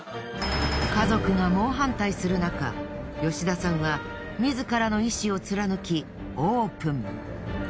家族が猛反対するなか吉田さんは自らの意思を貫きオープン。